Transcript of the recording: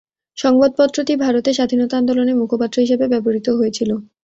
সংবাদপত্রটি ভারতের স্বাধীনতা আন্দোলনের মুখপাত্র হিসাবে ব্যবহৃত হয়েছিল।